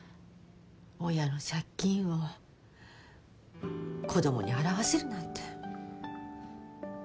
親の借金を子供に払わせるなんて。